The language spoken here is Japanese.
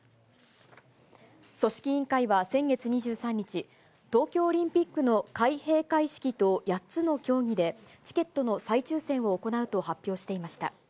組織委員会は先月２３日、東京オリンピックの開閉会式と８つの競技で、チケットの再抽せんを行うと発表していました。